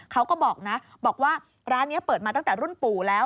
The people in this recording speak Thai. เขาก็บอกนะบอกว่าร้านนี้เปิดมาตั้งแต่รุ่นปู่แล้ว